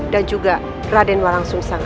dan juga raden walang sung sang